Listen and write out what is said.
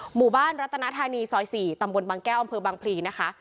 หมู่บ้านรัตนธานีซอย๔ตำบลบางแก้วอำเภอบางพลีนะคะ